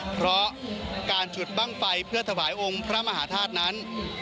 เพราะการฉุดบ้างไฟเพื่อถวายองค์พระมหาธาตุนั้น